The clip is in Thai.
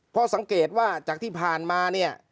เพราะสังเกตว่าจากที่ผ่านมาเนี่ย